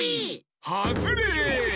はずれ！